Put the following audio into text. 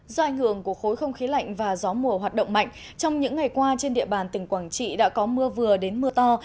do ảnh hưởng của khối không khí lạnh và gió mùa hoạt động mạnh trong những ngày qua trên địa bàn tỉnh quảng trị đã có mưa vừa đến mưa to